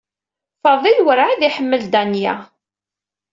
Faḍil werɛad iḥemmel Danya.